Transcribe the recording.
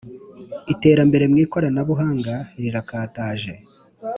iterambere mwikorana bbuhanga rirakataje